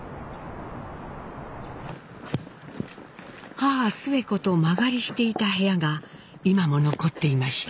母スエ子と間借りしていた部屋が今も残っていました。